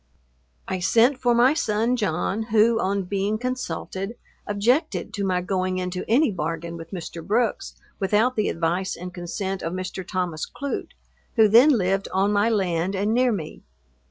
I sent for my son John, who on being consulted, objected to my going into any bargain with Mr. Brooks, without the advice and consent of Mr. Thomas Clute, who then lived on my land and near me.